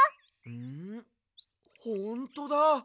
んほんとだ。